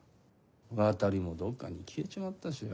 渡もどっかに消えちまったしよ。